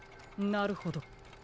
なるほど。